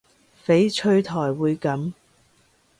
翡翠台會噉